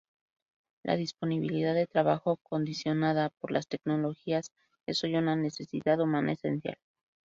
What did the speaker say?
La disponibilidad de trabajo, condicionada por las tecnologías, es hoy una necesidad humana esencial.